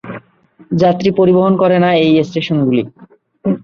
যাত্রী পরিবহন করে না এই স্টেশন গুলি-